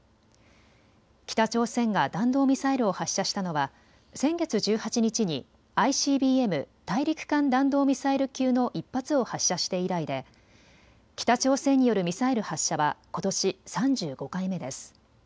北朝鮮が弾道ミサイルを発射したのは先月１８日にＩＣＢＭ・大陸間弾道ミサイル級の１発を発射して以来で北朝鮮によるミサイル発射はことし３５回目です。